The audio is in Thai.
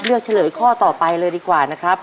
เฉลยข้อต่อไปเลยดีกว่านะครับ